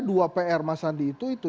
dua pr mas sandi itu